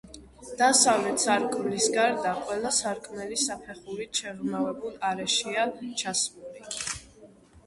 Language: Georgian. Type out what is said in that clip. დასავლეთ სარკმლის გარდა, ყველა სარკმელი საფეხურით შეღრმავებულ არეშია ჩასმული.